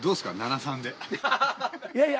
いやいや。